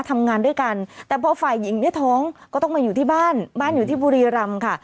ทำงานด้วยกันแต่พอฝ่ายหญิงเนี่ยท้องก็ต้องมาอยู่ที่บ้านบ้านอยู่ที่บุรีรำค่ะ